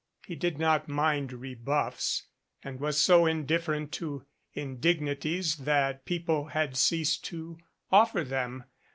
He did not mind rebuffs and was so indifferent to indig nities that people had ceased to offer them.